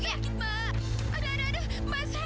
kamu ingin menangkap orang lebih dari saya ya